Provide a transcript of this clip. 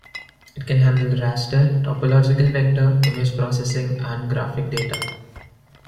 It can handle raster, topological vector, image processing, and graphic data.